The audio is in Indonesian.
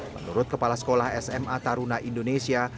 menurut kepala sekolah sma taruna indonesia